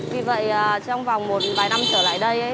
vì vậy trong vòng một vài năm trở lại đây